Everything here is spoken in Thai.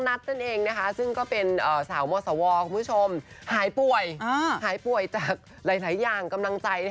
นัทนั่นเองนะคะซึ่งก็เป็นสาวมอสวหายป่วยจากหลายอย่างกำลังใจ